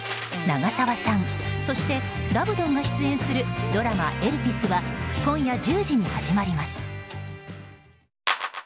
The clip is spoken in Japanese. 長澤さん、そしてダブどんが出演するドラマ「エルピス」は今夜１０時に始まります。